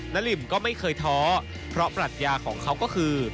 ลิมก็ไม่เคยท้อเพราะปรัชญาของเขาก็คือ